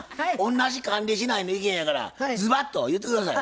同じ管理しないの意見やからずばっと言って下さい。